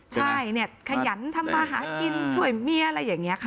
ใช่เนี่ยขยันทำมาหากินช่วยเมียอะไรอย่างนี้ค่ะ